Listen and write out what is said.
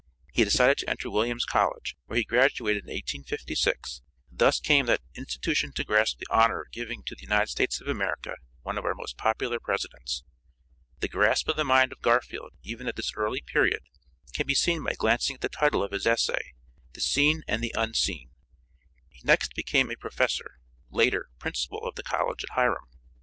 He decided to enter Williams College, where he graduated in 1856, thus came that institution to grasp the honor of giving to the United States of America one of our most popular presidents. The grasp of the mind of Garfield, even at this early period, can be seen by glancing at the title of his essay, "The Seen and the Unseen." He next became a professor; later, principal of the college at Hiram.